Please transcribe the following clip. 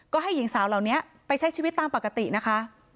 ก็ให้หญิงสาวเหล่านี้ไปใช้ชีวิตตามปกตินะคะ